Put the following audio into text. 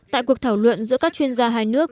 tại cuộc thảo luận giữa các chuyên gia hai nước